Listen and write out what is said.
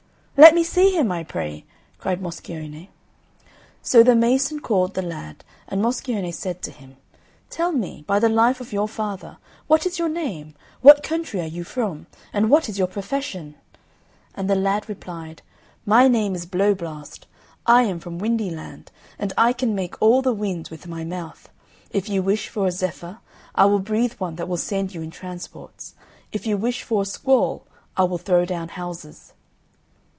"Let me see him, I pray," cried Moscione. So the mason called the lad, and Moscione said to him, "Tell me, by the life of your father, what is your name? what country are you from? and what is your profession!" And the lad replied, "My name is Blow blast; I am from Windy land; and I can make all the winds with my mouth. If you wish for a zephyr, I will breathe one that will send you in transports; if you wish for a squall, I will throw down houses."